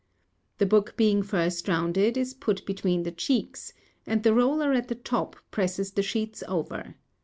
The book being first rounded is put between the cheeks, and the roller at the |51| top presses the sheets over.